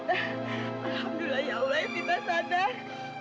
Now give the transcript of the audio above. alhamdulillah ya allah evita sadar